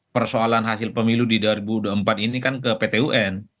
persoalan hasil pemilu di dua ribu dua puluh empat ini kan ke pt un